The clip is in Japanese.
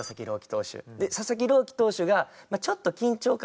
で佐々木朗希投手がちょっと緊張か